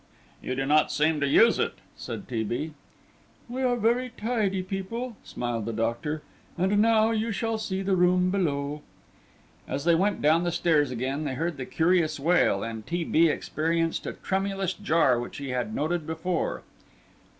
"You do not seem to use it," said T. B. "We are very tidy people," smiled the doctor; "and now you shall see the room below." As they went down the stairs again they heard the curious wail, and T. B. experienced a tremulous jar which he had noted before.